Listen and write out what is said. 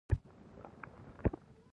ضرورت انسان د انتخاب د عذاب څخه ژغوري.